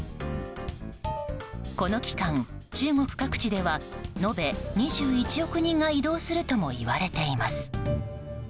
この期間、中国各地では延べ２１億人が移動するともいわれています。